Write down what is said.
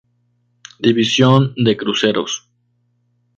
División de cruceros.